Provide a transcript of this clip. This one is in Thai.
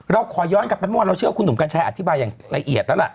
เราขอย้อนกลับไปเมื่อวานเราเชื่อว่าคุณหนุ่มกัญชัยอธิบายอย่างละเอียดแล้วล่ะ